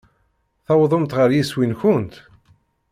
Tewwḍemt ɣer yiswi-nkent?